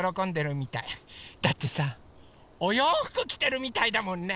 だってさおようふくきてるみたいだもんね。